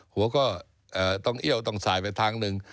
หัวก็ต้องเอี้ยวต้องสายไปทางหนึ่ง